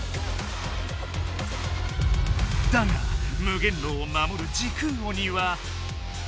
だが無限牢をまもる時空鬼は。